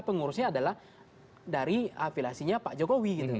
pengurusnya adalah dari afilasinya pak jokowi gitu